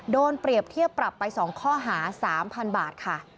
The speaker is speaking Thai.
โดนเปรียบเทียบปรับไป๒ข้อหา๓๐๐๐บาทค่ะ